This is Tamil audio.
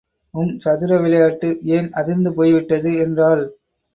உம்சதுரவிளையாட்டு ஏன் அதிர்ந்து போய்விட்டது என்றாள்.